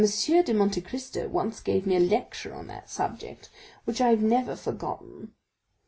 de Monte Cristo once gave me a lecture on that subject, which I have never forgotten.